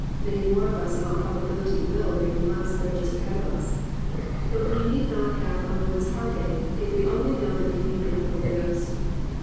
Many more of us in all probability will during the months that are just ahead of us. But we need not have a moment's heartache if we only know the communion of the Holy Ghost.